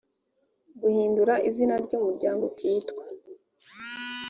guhindura izina ry umuryango ukitwa